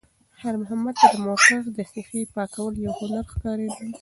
خیر محمد ته د موټر د ښیښې پاکول یو هنر ښکارېده.